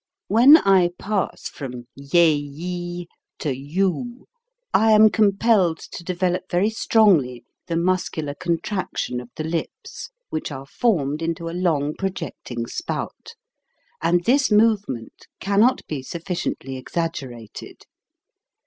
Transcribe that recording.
When I pass from yd ye to yoo, I am com pelled to develop very strongly the muscular contraction of the lips, which are formed into a long projecting spout; and this movement cannot be sufficiently exaggerated.